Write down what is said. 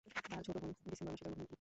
তার ছোট বোন ডিসেম্বর মাসে জন্মগ্রহণ করে।